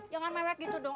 jangan mewek gitu dong